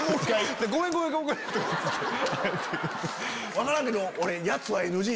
分からんけど。